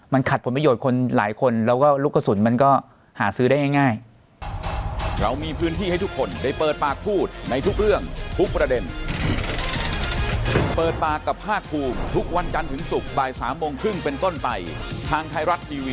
มันขัดผลประโยชน์คนหลายคนแล้วก็ลูกกระสุนมันก็หาซื้อได้ง่าย